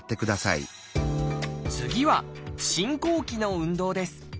次は進行期の運動です。